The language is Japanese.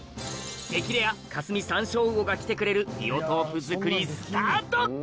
激レアカスミサンショウウオが来てくれるビオトープ作りスタート！